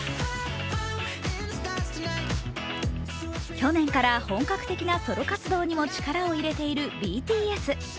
去年から本格的なソロ活動にも力を入れているＢＴＳ。